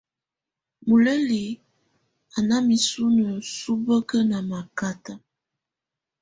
Mulunǝ́ á ná misunǝ́ subǝ́kǝ́ ná makátá.